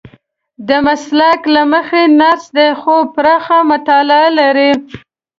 د مسلک له مخې نرس دی خو پراخه مطالعه لري.